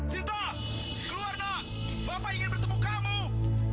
sinta keluar nak bapak ingin bertemu kamu